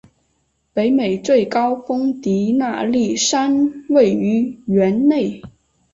北美最高峰迪纳利山位于园内。